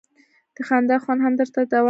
د خندا خوند هر درد ته دوا ده.